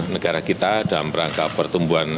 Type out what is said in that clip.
negara kita dalam rangka pertumbuhan